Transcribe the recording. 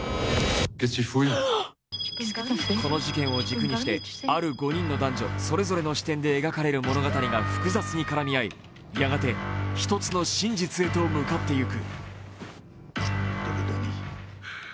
この事件を軸にしてある５人の男女のそれぞれの視点で描かれる物語が複雑に絡み合い、やがて１つの真実へと向かっていく。